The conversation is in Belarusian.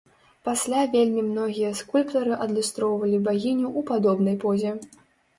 Пасля вельмі многія скульптары адлюстроўвалі багіню ў падобнай позе.